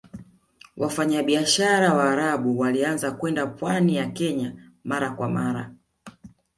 Wafanyabiashara Waarabu walianza kwenda pwani ya Kenya mara kwa mara